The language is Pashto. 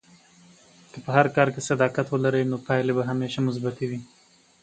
که په هر کار کې صداقت ولرې، نو پایلې به همیشه مثبتې وي.